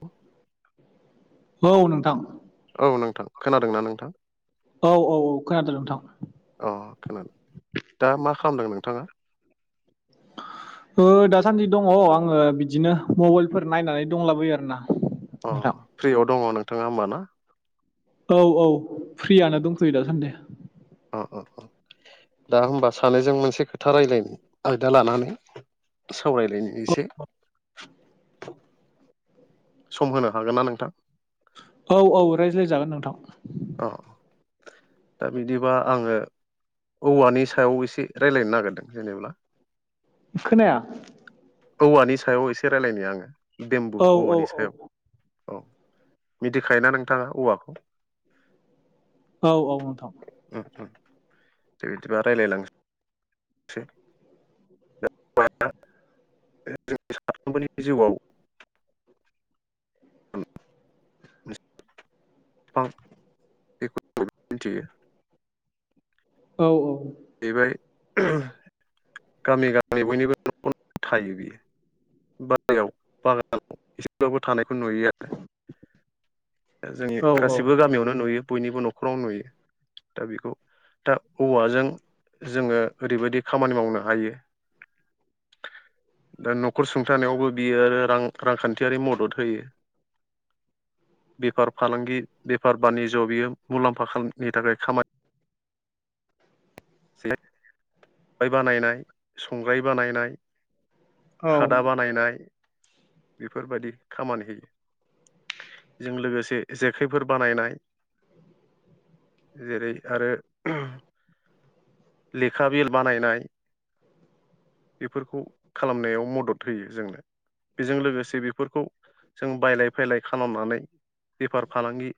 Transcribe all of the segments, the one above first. औ। औ नोंथां। औ नोंथां खोनादों ना नोंथां? औ-औ-औ खोनादों नोंथां। अ खोनादों दा मा खालामदों नोंथाङा? ओ दासान्दि दङ' आङो बिदिनो मबाइलफोर नायनानै दंलाबोयो आरो ना। अ नोंथां। फ्रियाव दङ' नोंथाङा होमबा ना? औ-औ फ्रिआनो दंथ'यो दासान्दि। अ-अ-अ दा होमबा सानैजों मोनसे खोथा रायलायनि आयदा लानानै। सावरायलायनि इसे। सम होनो हागोन ना नोंथां? औ-औ रायज्लायजागोन नोंथां। अ दा बिदिबा आङो। औवानि सायाव एसे रायलायनो नागेरदों जेनेब्ला। खोनाया। औवानि सायाव एसे रायलायनि आङो बेम्बु औ औ औवानि औ सायाव। औ मिथिखायो ना नोंथाङा औवाखौ? औ-औ नोंथां। उम-उम दे बिदिबा रायलायलांसै। जों सानफ्रोमबोनि जिउआव। बां बेखौ बयबो मोनथियो। औ-औ। बेबाय गामि- गामि बयनिबो न'खर थायो बियो। बाहेरआव बागानाव एसेबाबो थानायखौ नुयो आरो। दा जोंनि औ गासिबो गामियावनो नुयो बयनिबो न' । खराव नुयो दा बेखौ दा औवाजों। जोङो ओरैबायदि खामानि मावनो हायो। दा न'खर सुंथानायावबो बियो आरो रां-रांखान्थियारि मदद होयो। बेफार- फालांगि बेफार बानिज्य'आव बियो मुलाम्फानि थाखाय खामानि। जे खबाय बानायनाय संग्राय बानायनाय। खादा बानायनाय बेफोरबायदि खामानि होयो। जों लोगोसे जेखाइफोर बानायनाय जेरै आरो लेखा बिल बानायनाय बेफोरखौ खालामनायाव मदद होयो जोंनो बेजों लोगोसे बे बेफोरखौ जों बायलाय फायलाय खालामनानै बेफार फालांगि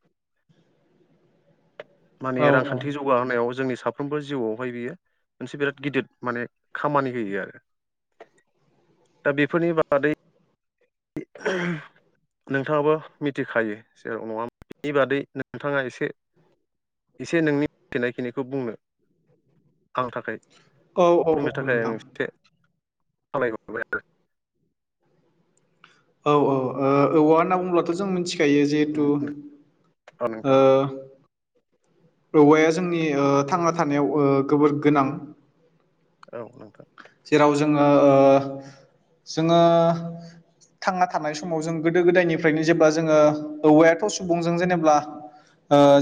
माने औ औ रांखान्थि जौ गा होनायाव जोंनि साफ्रोमबो जिउआवहाय बियो मोनसे बिराद गिदिर माने खामानि होयो आरो। दा बेफोरनि बादै। नोंथाङाबो मिथिखायो जेराव नङा होम? बेनि बादै नोंथाङा एसे-एसे नोंनि मिथिनायखिनिखौ बुंनो। आं थाखाय औ औ औ बुंनो थाखाय नोंथां आं औ एसे खावलायहरबाय आरो। औ-औ ओ औवा होनना बुङोब्लाथ' जों मोनथि । खायो जिहेतु नोंथां ओ। औ औवाया जोंनि ओ थांना थानायाव ओ जोबोर गोनां। औ नोंथां। जेराव जोङो ओ जोङो थांना थानाय समाव जों गोदो गोदायनिफ्रायनो जेब्ला जोङो औवायाथ' सुबुंजों जेनेबा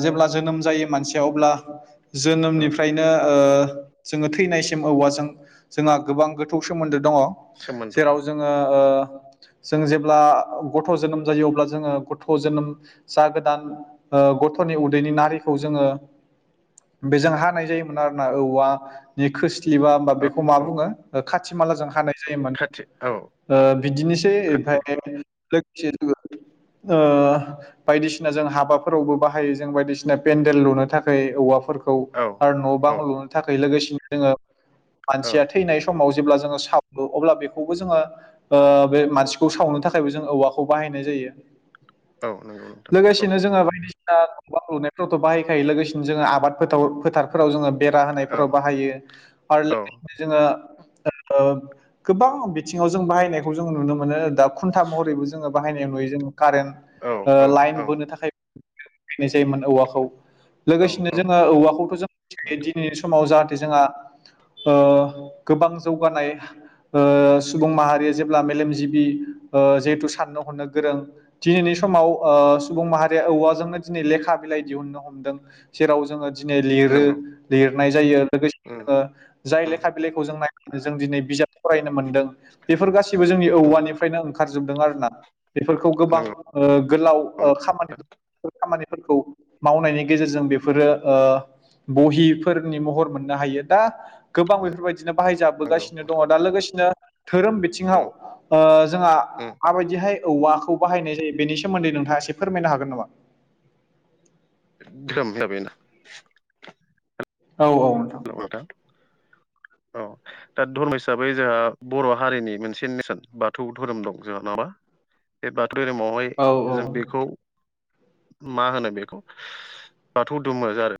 जेब्ला जोनोम जायो मानसिया अब्ला जोनोमनिफ्रायनो ओ जोङो थैनायसिम औवाजों जोंहा गोबां गोथौ सोमोन्दो दङ । सोमोनदोल' । जोङो ओ जों जेब्ला गथ' जोनोम जायो अब्ला जोङो गथ' जोनोम जागोदान ओ गथ'नि उदैनि नारिखौ जोङो बेजों हानाय जायोमोन आरो ना औवानि खोस्लि बा औ मा औ बुङो खाथि माला जों हानाय जायोमोन खाथि औ ओ बिदिनोसै खाथि ओमफफ्राय लोगोसे जोङो [unintelligible] ओ बायदिसिना जों हाबाफोरावबो बाहायो जों बायदिसिना पेन्देल लुनो थाखाय औवाफोरखौ औ आरो न' औ बां लुनो थाखाय लोगोसेनो जोङो औ मानसिया थैनाय समाव जेब्ला जोङो सावो अब्ला बेखौबो जोङो ओ बे मानसिखौ सावनो थाखायबो जों औवाखौ बाहायनाय जायो । औ नंगौ नोंथां औ लोगोसेनो जोंहा बायदिसि ना न लुनायफ्रावथ' बाहायखायो लोगोसेनो जोङो आबाद फोथाव फोथार फोराव जोङो बेरा औ होनायफोराव बाहायो आरो औ लो से जोङो ओ गोबां बिथिङाव जों बाहायनायखौ जों नुनो मोनो दा खुन्था महरैबो जोङो बाहायनाय नुयो जोङो औ कारेन्ट औ लाइन औ बोनो थाखाय नाय जायोमोन औवाखौ औ लोगोसेनो औ जोङो औवाखौथ' जों नोंथां दि नैनि समाव जाहाथे जोंहा ओ गोबां जौगानाय ओ सुबुं माहारिया जेब्ला मेलेमजिबि ओ जिहेथु साननो हरनो गोरों दिनैनि समाव ओ सुबुं माहारिया औवाजोंनो दिनै लेखा बिलाइ दिहुनो हमदों जेराव जोङो दिनै लिरो नंगौ लिरनाय जायो लोगोसे उम जोङो जाय उम लेखा बिलाइखौ जों नाय जों दिनै बिजाब फरायनो मोनदों । बेफोर गाैबो जोंनि उम औवानिफ्रायनो ओंखारजोबदों आरो ना । बेफोरखौ गोबां नंगौ ओ गोलाव खामानि दंफोर खामानिफोरखौ मावनायनि गेजेरजों बेफोरो बहिफोरनि महर मोननो हायो दा गोबां बेफोरबायदिनो नंगौ बाहायजाबोगासिनो दङ नोंथां दा लोगोसेनो धोरोम बिथिङाव औ ओ जोंहा उम माबायदिहाय औवाखौ बाहायनाय जायो बेनि सोमोन्दै नोंथाङा एसे फोरमायनो हागोन नामा । धोरोम हिसाबै ना औ औ नोंथां था औ । दा धर्म हिसाबै जोंहा बर' हारिनि मोनसे नेरसोन बाथौ धोरोम दं जोंहा नङाबा बे बाथ मै औ औ जों बेखौ मा होनो बेखौ बाथौ दधुमो आरो ।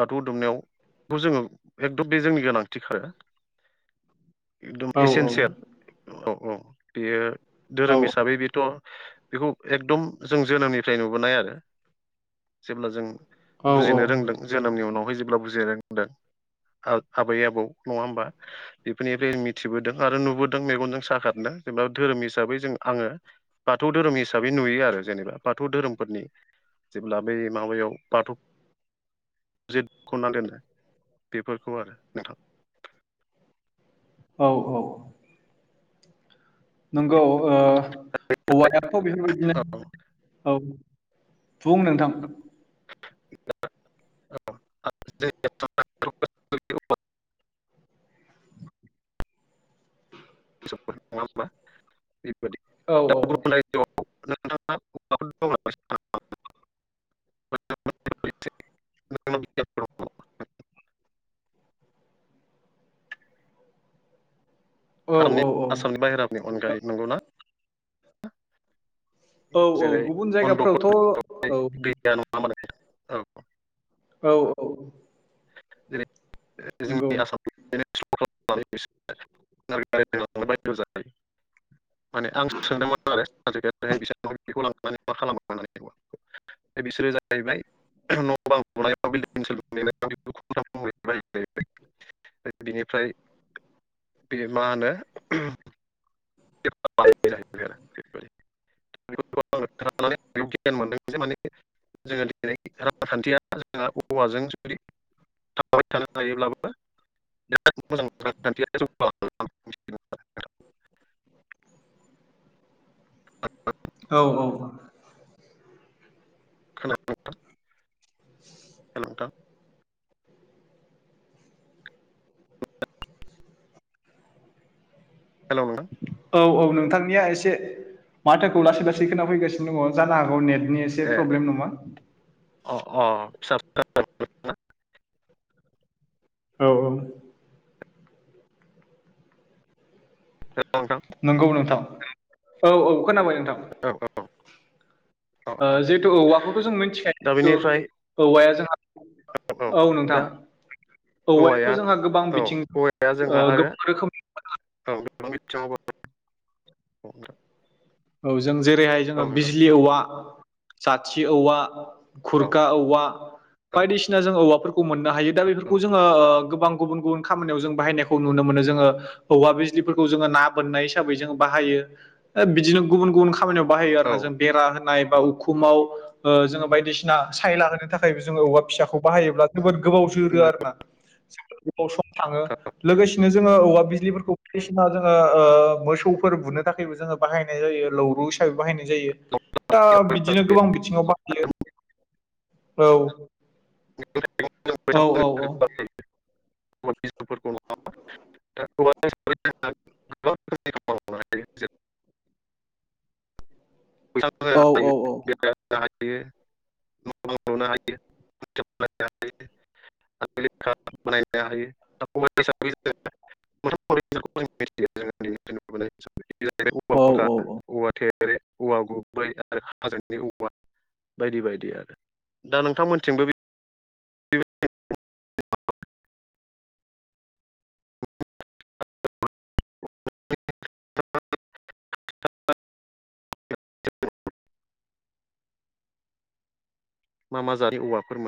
बाथौव दुमनायावबो जोंङो एखदम बे जोंनि गोनांथि खा आरो एकदम औ एसेन्सियेल औ औ बेयो धोरोम हिसाबै बेथ' बेखौ एकदम जों जोनोमनिफ्राय नुबोनाय आरो जेब्ला जों बुजिनो औ रोंदों जोनोमनि उनावहाय जेब्ला बुजिनो रोंदों आबै आबौ नङा होमबा बेफोरनिफ्राय मिथिबोदों आरो नुबोदों मेगनजों सागारदों जेनेबा धोरोम हिसाबै जों आङो बाथौ धोरोम हिसाबै नुयो आरो जेनेबा बाथौ धोरोमफोरनि जेब्ला बै माबायाव बाथौ जे खना दोनो बेफोरखौ आरो नोंथां औ औ । नोंगौ औवा एप' बेफोरबायदिनो औ। बुं नोंथां। [unintelligible] नङा होमब्ला बेफोर बादि औ औ। [unintelligible] आनि औ आसामनि बाहेरानि अनगायै नंगौना? औ औ जेरै गुबुन अन्ध्र जायगाफ्रावथ' औ। [unintelligible] औ औ। औ औ। जेरै नंगौ जोंनि आसाम [unintelligible] माने आं सोंदोंमोन आरो बेबखौ लनानै मा खालामो [unintelligible] बिसोरो जाहैबाय न' बां लुनायाव बिल्डिं [unintelligible] बिनिफ्राय बे मा होनो [unintelligible] गियान मोनदों जे माने जोंङो दिनै रांखान्थिया जोंहा औवाजों जुदि थाबाय थानो हायोब्लाबो [unintelligible] [unintelligible] औ औ। खोनादों नोंथां। हेलौ नोंथां। हेल' नोंथां। औ औ नोंथांनिया एसे माथोखौ लासै लासै खोनाफैगासिनो दङ जानो हागौ नेट नि एसे ए प्रब्लेम नङा अ अ [unintelligible] औ औ। हेलौ नोंथां। नंगौ नोंथां औ औ खोनाबाय नोंथां। औ औ। औ दे जिहेतु औवाखौथ' जों मिथिखायो दा बेनिफ्राय जितु औवाया जोंहा औ नोंथां औवायाथ' औवाया जोंहा गोबां औ बिथिं औवाया जोंहा आरो गोबां रोखोमनि औ [unintelligible] औ जों जेरैहाय औ जोङो नोंथां बिजलि औवा जाथि औवा औ खुरखा औवा नोंथां बायदिसिना जों औवाफोरखौ मोननो हायो दा औ बेफोरखौ जोङो ओ गोबां गुबुन गुबुन खामानिआव जों बाहायनायखौ नुनो मोनो जोङो हौवा बिजलिफोरखौ जोङो ना बोननाय हिसाबै जोङो बाहायो ओ बिदिनो गुबुन गुबुन खामानिआव बाहायो औ आरोना जों बेरा होनाय बा उखुमाव जोङो ओ‌ बायदिसिना सायला होनो थाखायबो जोंङो औवा फिसाखौ बाहायोब्ला जोबोद गोबाव जोरो आरो ना सम थांङो लोगोसेनो जोंङो औवा बिजलिफोरखौ बायदिसिना जोङो मोसौफोर बुनो थाखायबो जोंङो बाहायनाय जायो लौरु हिसाबै बाहायनाय जा जायो दा बिदिनो गोबां बिथिङाव बाहायो औ। औ औ औ औवा बिजलिफोरखौ [inaudible] [unintelligible] मावनो हायो जेरै औ औ [unintelligible] [unintelligible] [unintelligible] मोनथ ज जा औवा थे औ औ औ [unintelligible] औवा गुबै आरो हाजोंनि औवा बायदि बायदि आरो दा नोंथांमोनथिंबो बे [unintelligible] [unintelligible] मा मा जादनि औवाफोर मो